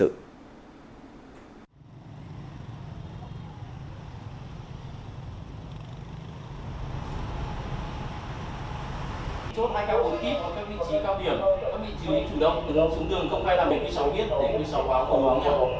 đường sống đường không khai là một mươi sáu viết một mươi sáu hóa không bóng